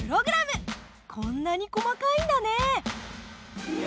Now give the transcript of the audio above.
こんなに細かいんだね。